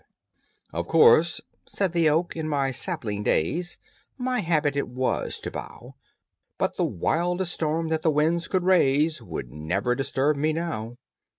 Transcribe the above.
"Of course," said the oak, "in my sapling days My habit it was to bow, But the wildest storm that the winds could raise Would never disturb me now.